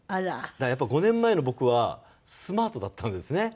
だからやっぱ５年前の僕はスマートだったんですね。